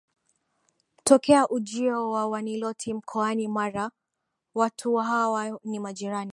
tokea ujio wa Waniloti Mkoani Mara watu hawa ni majirani